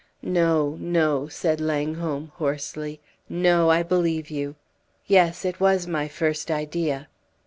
"No, no," said Langholm, hoarsely; "no, I believe you! Yes it was my first idea!"